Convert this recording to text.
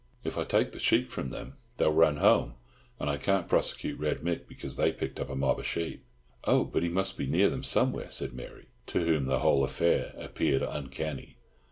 If I take the sheep from them they'll run home, and I can't prosecute Red Mick because they picked up a mob of sheep." "Oh, but he must be near them somewhere," said Mary, to whom the whole affair appeared uncanny.